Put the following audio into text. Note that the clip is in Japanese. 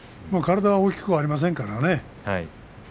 体は大きくありませんからね。